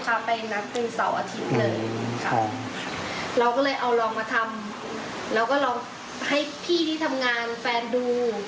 แล้วก็เลยลองทำตัวเนี่ยขายดู